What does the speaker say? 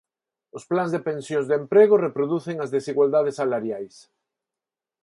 Os plans de pensións de emprego reproducen as desigualdades salariais.